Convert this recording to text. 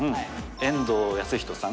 遠藤保仁さん。